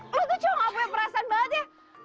lo tuh cowok gak punya perasaan banget ya